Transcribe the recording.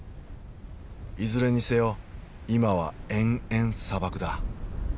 いずれにせよ今は延々砂漠だ。